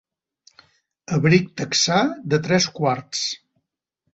Abric texà de tres quarts.